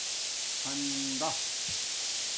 خندݳ